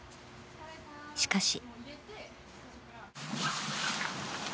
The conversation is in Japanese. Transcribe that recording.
しかし。